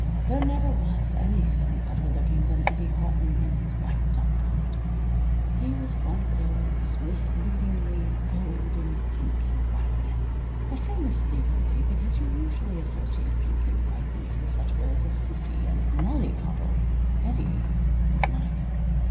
There never was anything better looking than Eddie Houghton in his white duck coat. He was one of those misleadingly gold and pink and white men. I say misleadingly because you usually associate pink and whiteness with such words as sissy and mollycoddle. Eddie was neither.